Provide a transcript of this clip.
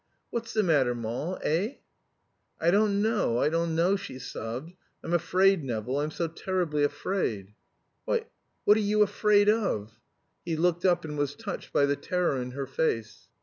"What's the matter, Moll, eh?" "I don't know, I don't know," she sobbed. "I'm afraid, Nevill I'm so terribly afraid." "Why, what are you afraid of?" He looked up and was touched by the terror in her face.